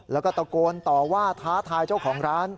แล้วก็ตะโกนต่อว่าท้าทายเจ้าของร้าน